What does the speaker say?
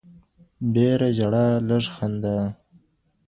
ډيره ژړا لـــږ خـــنـدا